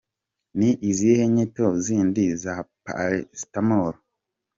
Ni izihe nyito zindi za Paracetamol?.